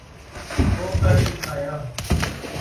وہ کر دکھایا۔